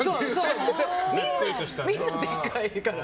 みんなでかいから。